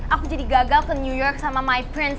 aku jadi gagal ke new york sama my prince